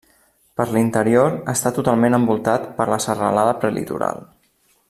Per l'interior està totalment envoltat per la Serralada Prelitoral.